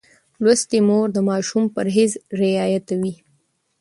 لوستې مور د ماشوم پرهېز رعایتوي.